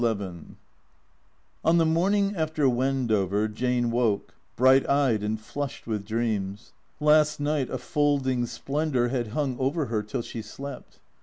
XI OlSr the morning after Wendover Jane woke, bright eyed and Hushed with dreams. Last night a folding splendour had hung over her till she slept.